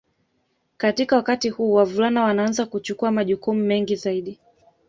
Katika wakati huu wavulana wanaanza kuchukua majukumu mengi zaidi